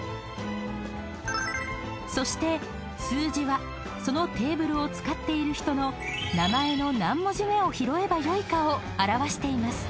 ［そして数字はそのテーブルを使っている人の名前の何文字目を拾えばよいかを表しています］